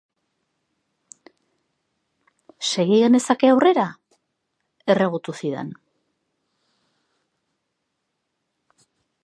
Segi genezake aurrera? Erregutu zidan.